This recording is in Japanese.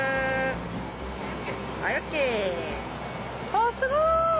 あすごい。